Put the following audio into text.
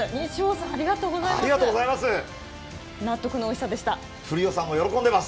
ありがとうございます。